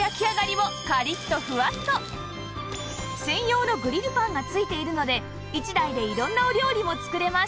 専用のグリルパンが付いているので１台で色んなお料理も作れます